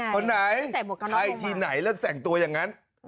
คนไหนให้ที่ไหนแล้วแต่งตัวอย่างนั้น